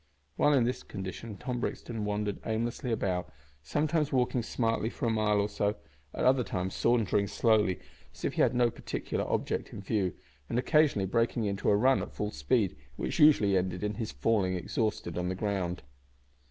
While in this condition Tom Brixton wandered aimlessly about, sometimes walking smartly for a mile or so, at other times sauntering slowly, as if he had no particular object in view, and occasionally breaking into a run at full speed, which usually ended in his falling exhausted on the ground.